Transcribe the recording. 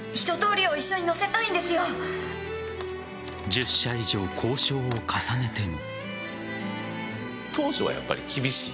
１０社以上、交渉を重ねても。